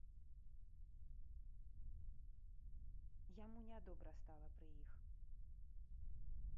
Яму нядобра стала пры іх.